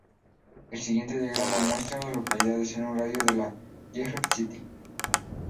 El siguiente diagrama muestra a las localidades en un radio de de Jeffrey City.